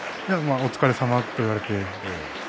お疲れさまと言われて。